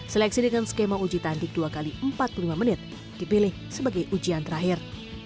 seleksi dengan skema uji tanding dua x empat puluh lima menit dipilih sebagai ujian terakhir